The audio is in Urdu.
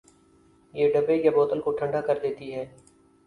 یہ ڈبے یا بوتل کو ٹھنڈا کردیتی ہے۔